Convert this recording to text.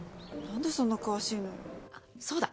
なんでそんな詳しいのよ？